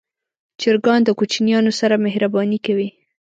چرګان د کوچنیانو سره مهرباني کوي.